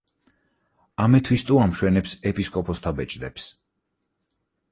ამეთვისტო ამშვენებს ეპისკოპოსთა ბეჭდებს.